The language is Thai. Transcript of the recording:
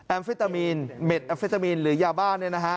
แอมเฟทามีนเม็ดแอมเฟทามีนหรือยาบ้าน